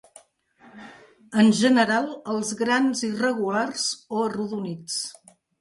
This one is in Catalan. En general, els grans irregulars o arrodonits.